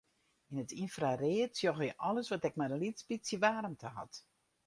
Yn it ynfraread sjogge je alles wat ek mar in lyts bytsje waarmte hat.